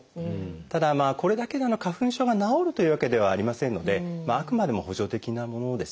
ただこれだけで花粉症が治るというわけではありませんのであくまでも補助的なものですね。